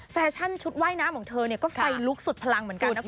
แฟชั่นชุดว่ายน้ำของเธอก็ไฟลุกสุดพลังเหมือนกันนะคุณ